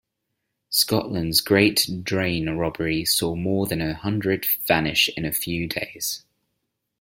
Scotland's "great drain robbery" saw more than a hundred vanish in a few days.